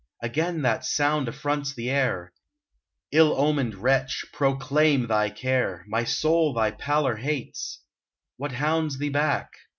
Again that sound affronts the air ! Ill omened wretch, proclaim thy care — My soul thy pallor hates ! What hounds thee back